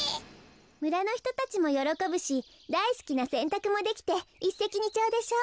むらのひとたちもよろこぶしだいすきなせんたくもできていっせきにちょうでしょ？